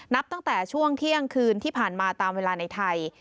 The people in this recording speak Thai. นับตั้งแต่ช่วงเที่ยงคืนที่ผ่านมาตามเวลาในไทย